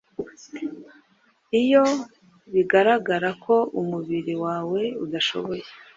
iyo bigaragara ko umubiri wawe udashoboye